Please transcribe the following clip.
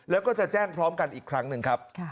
แล้วก็จะแจ้งพร้อมกันอีกครั้งหนึ่งครับ